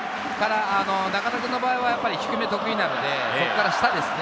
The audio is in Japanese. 中田君の場合は低めが得意なので、そこから下ですね。